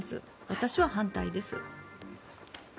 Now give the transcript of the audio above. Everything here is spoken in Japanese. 私は反対です。